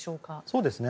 そうですね。